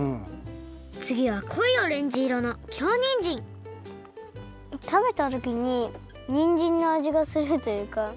つぎはこいオレンジ色の京にんじんたべたときににんじんのあじがするというか。